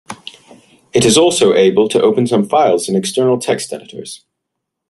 It is also able to open some files in external text editors.